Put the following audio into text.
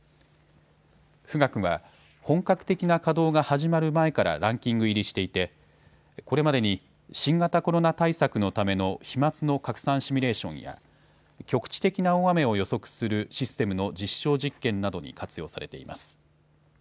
富岳は本格的な稼働が始まる前からランキング入りしていてこれまでに新型コロナ対策のための飛まつの拡散シミュレーションや局地的な大雨を予測するシステムの実証実験などに活用されています。